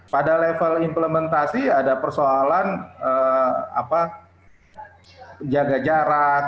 pada level implementasi ada persoalan jaga jarak